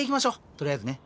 とりあえずね。